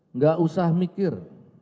enggak usah mikir